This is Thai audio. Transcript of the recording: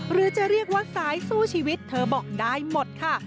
หรือจะเรียกว่าสายสู้ชีวิตเธอบอกได้หมดค่ะ